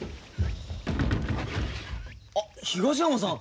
あっ東山さん。